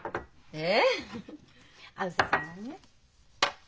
ええ。